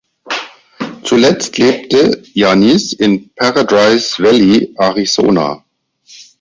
Zuletzt lebte Janis in Paradise Valley, Arizona.